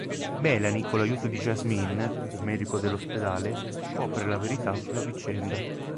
Melanie con l'aiuto di Jasmin, un medico dell'ospedale, scopre la verità sulla vicenda.